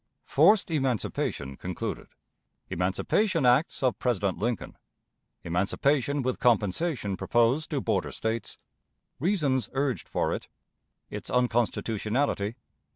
Forced Emancipation concluded. Emancipation Acts of President Lincoln. Emancipation with Compensation proposed to Border States. Reasons urged for it. Its Unconstitutionality.